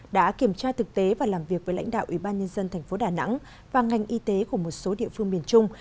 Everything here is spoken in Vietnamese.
đã kiểm tra thực tế và làm việc với lãnh đạo ủy ban nhân dân thành phố đà nẵng và ngành y tế của một số địa phương miền trung